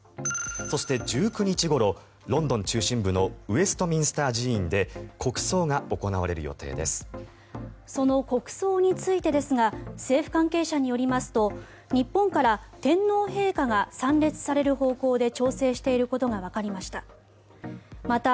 そして、１９日ごろロンドン中心部のウェストミンスター寺院でその国葬についてですが政府関係者によりますと日本から天皇陛下が参列される方向で調整していることがわかりました。